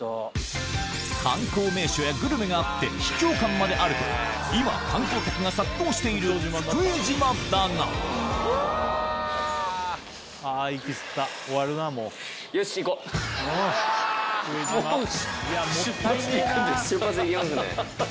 観光名所やグルメがあって秘境感まであると今観光客が殺到している福江島だがもう「出発」に行くんですか？